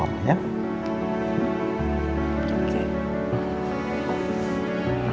kalo papa udah sampe rumah